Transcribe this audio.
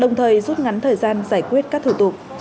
giúp ngắn thời gian giải quyết các thủ tục